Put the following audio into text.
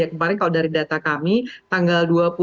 kemarin kalau dari data kami tanggal dua puluh